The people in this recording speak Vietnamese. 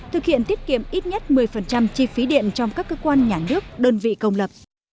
thực hiện tiết kiệm ít nhất một mươi chi phí điện trong các cơ quan nhà nước đơn vị công lập